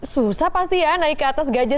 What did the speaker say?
susah pasti ya naik ke atas gajah